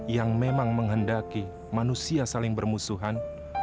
yang memang menghendaki manusia saling bermusuhan